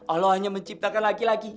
allah hanya menciptakan laki laki